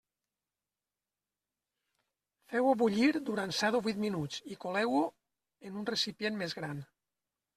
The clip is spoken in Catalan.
Feu-ho bullir durant set o vuit minuts i coleu-ho en un recipient més gran.